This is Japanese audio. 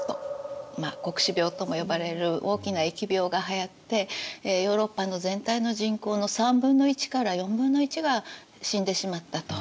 まあ黒死病とも呼ばれる大きな疫病がはやってヨーロッパの全体の人口の３分の１から４分の１が死んでしまったと。